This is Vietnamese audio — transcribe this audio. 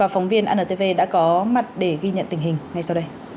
phóng viên antv đã có mặt để ghi nhận tình hình